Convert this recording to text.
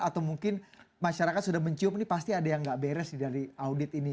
atau mungkin masyarakat sudah mencium ini pasti ada yang nggak beres di dari audionya